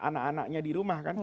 anak anaknya di rumah